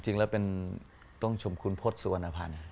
จริงแล้วต้องชมคุณพศสุวรรณภัณฑ์